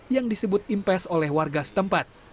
yang disebut impes oleh warga setempat